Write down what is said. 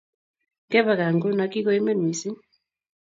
ngebe gaa nguno kigoimen misding